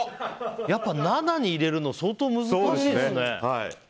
やっぱ７に入れるの相当難しいんですね。